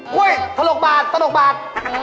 ก้วยทะลกบาต